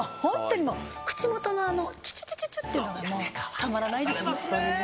口元のチュチュチュチュっていうのが、かわいくてたまらないですね。